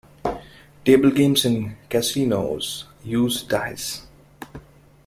Table games in casinos use dice.